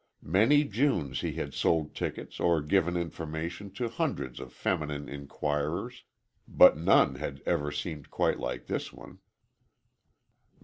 Many Junes he had sold tickets or given information to hundreds of feminine inquirers but none had ever seemed quite like this one.